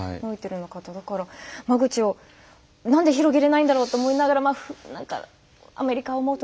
だから間口をなんで広げれないんだろうって思いながら何かアメリカ思うと不正多いしとか。